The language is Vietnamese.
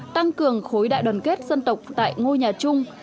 tăng cường khối đại đoàn kết dân tộc tại ngôi nhà chung